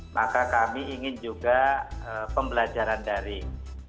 maka kami ingin juga pembelajaran daring